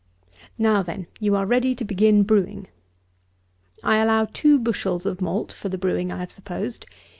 Now, then, you are ready to begin brewing. I allow two bushels of malt for the brewing I have supposed.